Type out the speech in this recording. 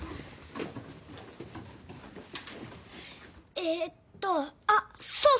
ええっとあっそうそう！